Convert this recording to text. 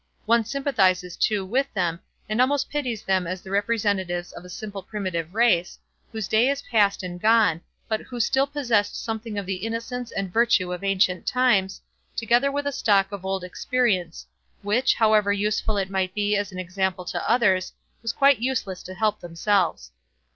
One sympathises too with them, and almost pities them as the representatives of a simple primitive race, whose day is past and gone, but who still possessed something of the innocence and virtue of ancient times, together with a stock of old experience, which, however useful it might be as an example to others, was quite useless to help themselves.